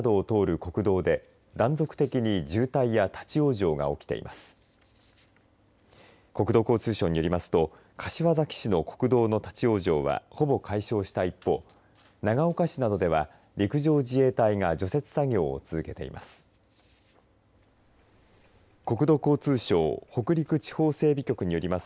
国土交通省によりますと柏崎市の国道の立往生はほぼ解消した一方長岡市などでは陸上自衛隊が除雪作業を続けています。